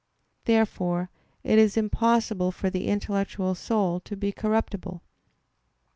Therefore it is impossible for the intellectual soul to be corruptible.